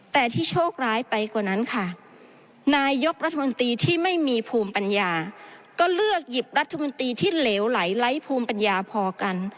แต่ที่โชคร้ายไปกว่านั้นค่ะนายกรัฐมนตรีที่ไม่มีภูมิปัญญาก็เลือกหยิบรัฐมนตรีที่เหลวไหลไร้ภูมิปัญญาพอกัน